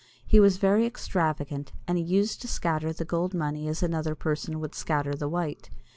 He was very extravagant, and he used to scatter the gold money as another person would scatter the white.